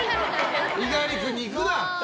猪狩君に行くな！